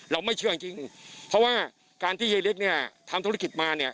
ไม่เชื่อจริงเพราะว่าการที่ยายเล็กเนี่ยทำธุรกิจมาเนี่ย